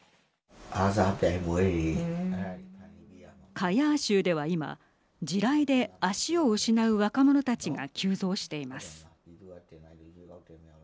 カヤー州では今地雷で脚を失う若者たちが急増しています。